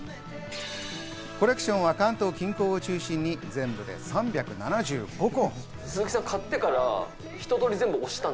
コレクションは関東近郊を中心に、全部で３７５個。